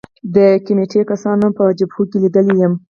د کمېټې کسانو ما په جبهو کې لیدلی یم